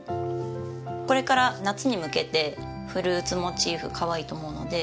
これから夏に向けてフルーツモチーフかわいいと思うので。